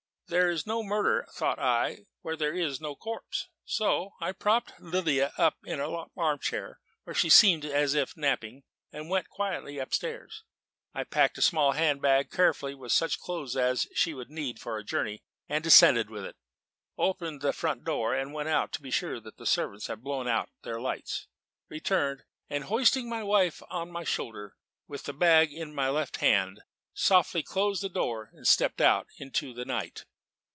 There is no murder, thought I, where there is no corpse. So I propped Lydia in the armchair, where she seemed as if napping, and went quietly upstairs. I packed a small hand bag carefully with such clothes as she would need for a journey, descended with it, opened the front door, went out to be sure the servants had blown out their lights, returned, and hoisting my wife on my shoulder, with the bag in my left hand, softly closed the door and stepped out into the night.